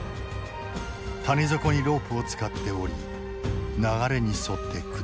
谷底にロープを使って降り流れに沿って下る。